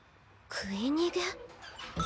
食い逃げ？